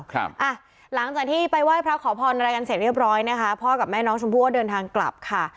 ครับอ่ะหลังจากที่ไปไหว้พระขอพรอะไรกันเสร็จเรียบร้อยนะคะพ่อกับแม่น้องชมพู่ก็เดินทางกลับค่ะ